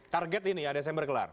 target ini ya desember gelar